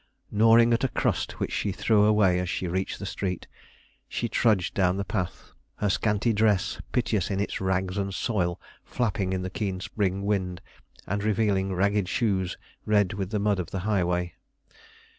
Gnawing a crust which she threw away as she reached the street, she trudged down the path, her scanty dress, piteous in its rags and soil, flapping in the keen spring wind, and revealing ragged shoes red with the mud of the highway.